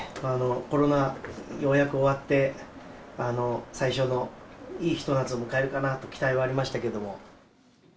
コロナようやく終わって、最初のいいひと夏を迎えるかなと期待はありましたけれども。